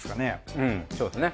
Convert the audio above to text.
うんそうですね